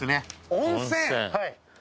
温泉？